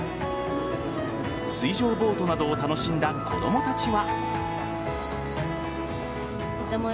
水上ボートなどを楽しんだ子供たちは。